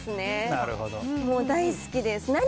もう大好きです。